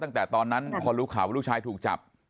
ตั้งแต่ตอนนั้นพอรู้ข่าวว่าลูกชายถูกจับ